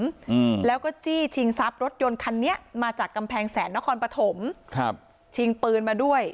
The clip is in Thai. อืมแล้วก็จี้ชิงทรัพย์รถยนต์คันนี้มาจากกำแพงแสนนครปฐมครับชิงปืนมาด้วย